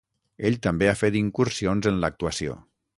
Ell també ha fet incursions en l'actuació.